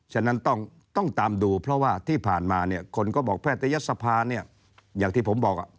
ฉะนั้นต้องตามดูเพราะว่าที่ผ่านมาเนี่ยคนก็บอกแพทยศภาเนี่ยอย่างที่ผมบอก